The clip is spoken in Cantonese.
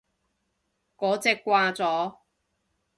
嗰隻掛咗